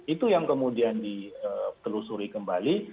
itu yang kemudian ditelusuri kembali